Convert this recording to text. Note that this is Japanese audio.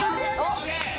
ＯＫ。